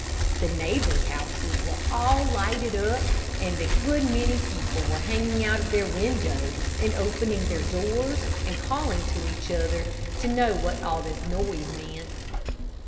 The neighbors' houses were all lighted up, and a good many people were hanging out of their windows and opening their doors, and calling to each other to know what all this noise meant.